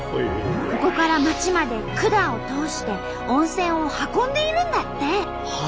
ここから町まで管を通して温泉を運んでいるんだって！